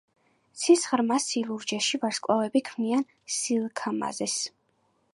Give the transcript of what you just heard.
ცის ღრმა სილურჯეში ვარსკვლავები ქმნიან სილქამაზეს.